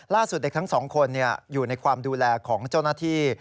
เด็กทั้งสองคนอยู่ในความดูแลของเจ้าหน้าที่